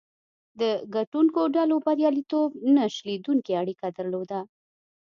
د ګټونکو ډلو بریالیتوب نه شلېدونکې اړیکه درلوده.